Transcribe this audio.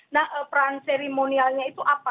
nah peran seremonialnya itu apa